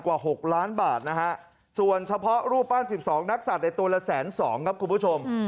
กว่า๖ล้านบาทนะฮะส่วนเฉพาะรูปปั้น๑๒นักศัตว์ในตัวละแสนสองครับคุณผู้ชม